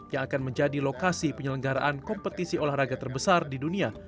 yang akan menjadi lokasi penyelenggaraan kompetisi olahraga terbesar di dunia